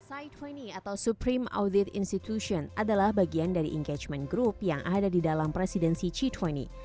citwini atau supreme audit institution adalah bagian dari engagement group yang ada di dalam presidensi citwini